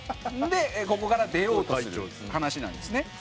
でここから出ようとする話なんですね。